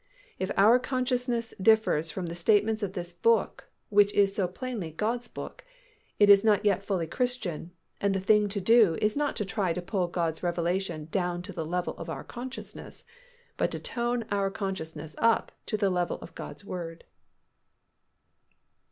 If our consciousness differs from the statements of this Book, which is so plainly God's Book, it is not yet fully Christian and the thing to do is not to try to pull God's revelation down to the level of our consciousness but to tone our consciousness up to the level of God's Word.